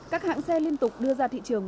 các hãng xe liên tục đưa ra thị trường